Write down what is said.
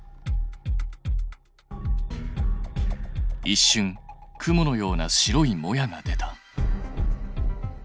いっしゅん雲のような白いモヤが出た。